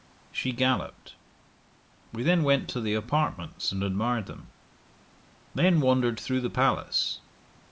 She galloped. We then went to the apartments, and admired them. Then wandered through the palace.